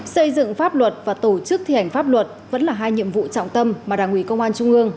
xây dựng pháp luật và tổ chức thi hành pháp luật vẫn là hai nhiệm vụ trọng tâm mà đảng ủy công an trung ương